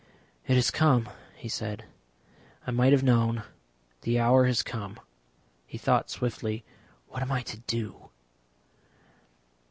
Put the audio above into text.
"It has come," he said. "I might have known. The hour has come." He thought swiftly. "What am I to do?"